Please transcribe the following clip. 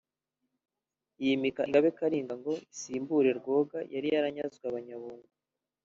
yimika Ingabe “Kalinga” ngo isimbure Rwoga yari yaranyazwe n’Abanyabungo